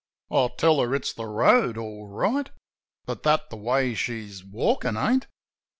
'" I tell her it's the road, all right. But that the way she's walkin' ain't.